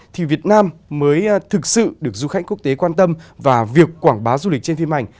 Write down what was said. thì việt nam mới thực sự được du khách quốc tế quan tâm và việc quảng bá du lịch trên phim ảnh